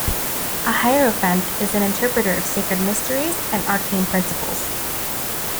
A hierophant is an interpreter of sacred mysteries and arcane principles.